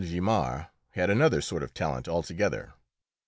Guimard had another sort of talent altogether.